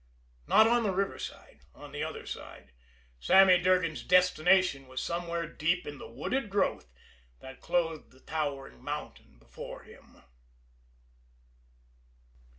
Not on the river side on the other side. Sammy Durgan's destination was somewhere deep in the wooded growth that clothed the towering mountain before him.